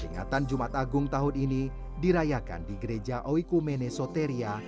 peringatan jumat agung tahun ini dirayakan di gereja oiku mene soteria